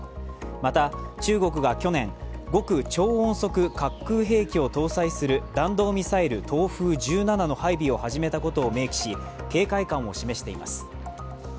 また中国が去年、極超音速滑空兵器を搭載する弾道ミサイル・東風１７の配備を始めたことを明記し警戒感を示しています。